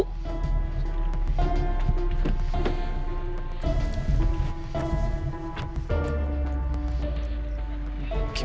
ya terima kasih